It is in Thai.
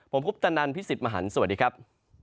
ผมพุทธนันทร์พิสิทธิ์มหันต์สวัสดีครับ